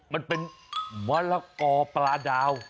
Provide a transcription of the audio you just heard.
มันเป็นมะละกอปลาดาว